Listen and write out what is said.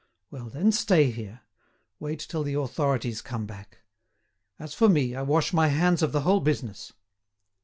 Well, then, stay here, wait till the authorities come back. As for me, I wash my hands of the whole business."